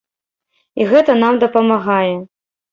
І гэта нам дапамагае.